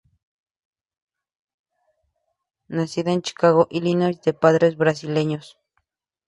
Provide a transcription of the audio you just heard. Nacida en Chicago, Illinois, de padres brasileños.